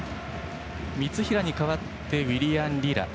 三平に代わってウィリアン・リラ。